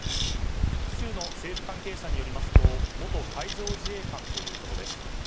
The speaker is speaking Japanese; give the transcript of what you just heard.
複数の政府関係者によりますと元海上自衛官ということです。